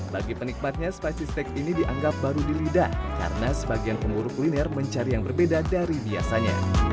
bagi penikmatnya space steak ini dianggap baru di lidah karena sebagian pemburu kuliner mencari yang berbeda dari biasanya